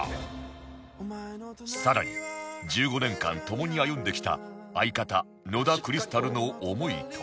更に１５年間共に歩んできた相方野田クリスタルの思いとは？